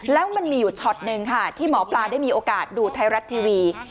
แล้วมันมีอยู่ช็อตหนึ่งค่ะที่หมอปลาได้มีโอกาสดูไทยรัฐทีวี